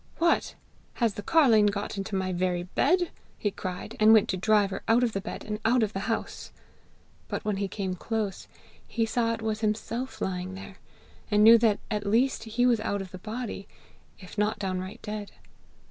'What! has the carline got into my very bed?' he cried, and went to drive her out of the bed and out of the house. But when he came close, he saw it was himself lying there, and knew that at least he was out of the body, if not downright dead.